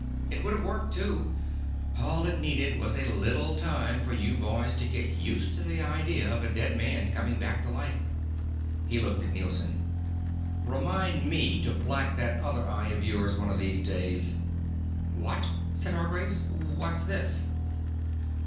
It would have worked too. All it needed was a little time for you boys to get used to the idea of a dead man coming back to life." He looked at Nielson. "Remind me to black that other eye of yours one of these days." "What?" said Hargraves. "What's this?"